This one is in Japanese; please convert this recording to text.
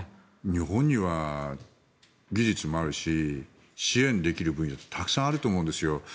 日本には技術もあるし支援できる分野ってたくさんあると思うんですよ。